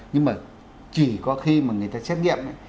nhưng mà chỉ có khi mà người ta xét nghiệm ấy